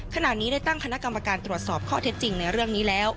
ขณะนี้ได้ตั้งคณะกรรมการตรวจสอบข้อเท็จจริงในเรื่องนี้แล้ว